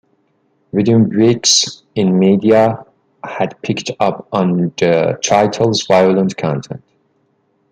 Within weeks the media had picked up on the title's violent content.